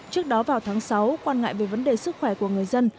trước đó vào tháng sáu quan ngại về vấn đề sức khỏe của người dân